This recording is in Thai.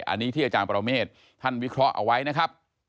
อันนี้ที่อาจารย์ปรเมฆท่านวิเคราะห์เอาไว้นะครับ